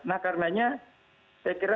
nah karenanya saya kira